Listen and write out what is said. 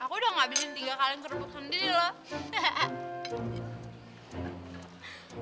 aku udah gak bikin tiga kali kerupuk sendiri loh